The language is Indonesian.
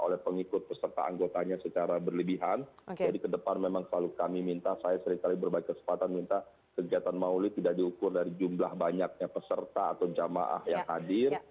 oleh pengikut peserta anggotanya secara berlebihan jadi ke depan memang selalu kami minta saya seringkali berbaik kesempatan minta kegiatan maulid tidak diukur dari jumlah banyaknya peserta atau jamaah yang hadir